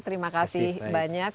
terima kasih banyak